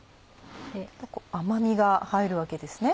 甘みが入るわけですね。